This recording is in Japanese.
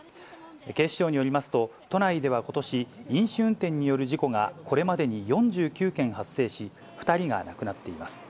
警視庁によりますと、都内ではことし、飲酒運転による事故がこれまでに４９件発生し、２人が亡くなっています。